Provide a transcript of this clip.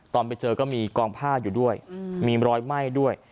ตอนไปเจอก็มีกองผ้าอยู่ด้วยมีรอยไหม้ด้วย